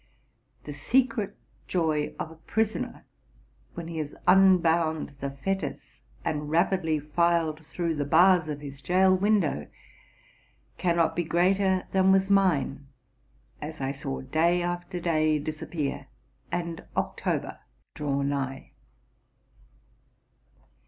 The secret joy of a prisoner, when he has unbound the fetters, and rapidly filed through the bars of his jail window, cannot be greater than was mine as I saw day after day disappear, and October draw nigh.